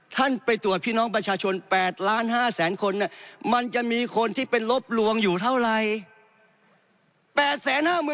ท่านไปตรวจพี่น้องประชาชน๘๕๐๐๐คนมันจะมีคนที่เป็นลบลวงอยู่เท่าไร